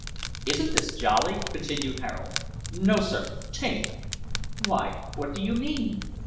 "Isn't this jolly?" continued Harold. "No, sir, 'taint." "Why, what d'you mean?"